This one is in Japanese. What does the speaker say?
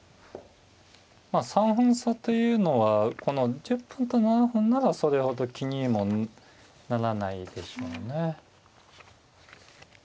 まあ３分差というのはこの１０分と７分ならそれほど気にもならないでしょうね。